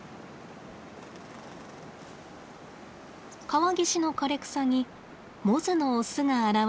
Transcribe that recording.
川岸の枯れ草にモズのオスが現れました。